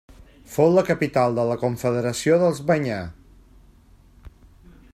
Fou la capital de la confederació dels Banyar.